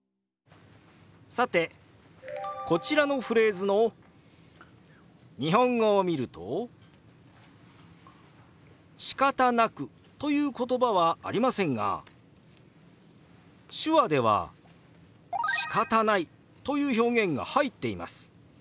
さてこちらのフレーズの日本語を見ると「しかたなく」という言葉はありませんが手話では「しかたない」という表現が入っています。